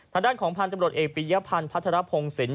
ฐานด้านของพันธุ์จำรวจเอกปรียะพันธุ์พัฒระพงษิณ